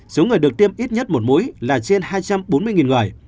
số người được tiêm ít nhất một mũi là trên hai trăm bốn mươi người